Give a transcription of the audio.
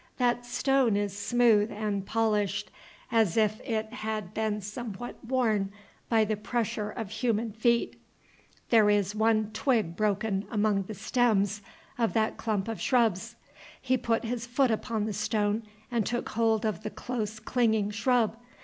That stone is smooth and polished, as if it had been somewhat worn by the pressure of human feet. There is one twig broken among the stems of that clump of shrubs. He put his foot upon the stone and took hold of the close clinging shrub.